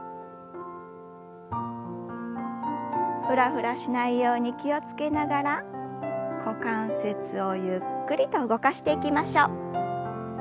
フラフラしないように気を付けながら股関節をゆっくりと動かしていきましょう。